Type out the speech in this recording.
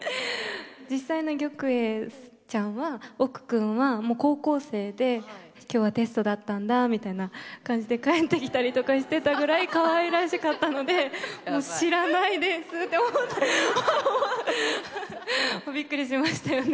実際の玉栄ちゃんは奥くんはもう高校生で今日はテストだったんだみたいな感じで帰ってきたりとかしてたぐらいかわいらしかったので「知らないです」って。びっくりしましたよね。